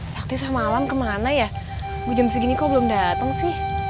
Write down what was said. saktisah malam kemana ya jam segini kok belum datang sih